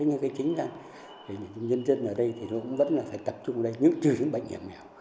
nhưng chính là nhân dân ở đây vẫn phải tập trung ở đây chứ không bệnh hiểm nào